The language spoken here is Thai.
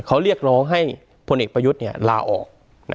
เขาเรียกร้องให้พลเอกประยุทธ์ลาออก